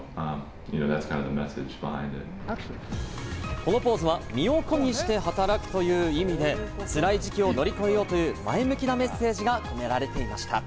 このポーズは身を粉にして働くという意味で、つらい時期を乗り越えようという前向きなメッセージが込められていました。